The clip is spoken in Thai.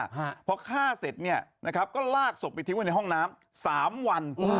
ฮะพอฆ่าเสร็จเนี่ยนะครับก็ลากศพไปทิ้งไว้ในห้องน้ำสามวัน